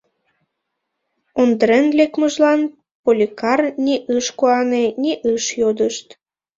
Ондрен лекмыжлан Поликар ни ыш куане, ни ыш йодышт.